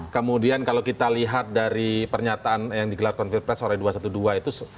kemudian kalau kita lihat dari pernyataan yang digelar konfir press oleh dua ratus dua belas itu